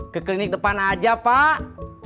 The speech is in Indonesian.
ke klinik depan aja pak